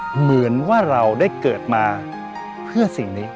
เหมือนว่าเราได้เกิดมาเพื่อสิ่งนี้